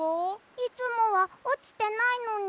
いつもはおちてないのに。